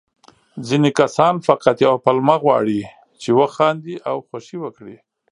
ځيني کسان فقط يوه پلمه غواړي، چې وخاندي او خوښي وکړي.